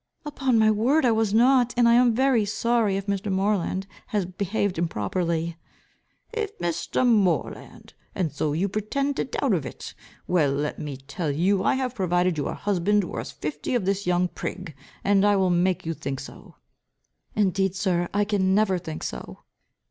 "Upon my word, I was not. And I am very sorry if Mr. Moreland has behaved improperly." "If Mr. Moreland! and so you pretend to doubt of it! But, let me tell you, I have provided you a husband, worth fifty of this young prig, and I will make you think so." "Indeed sir, I can never think so."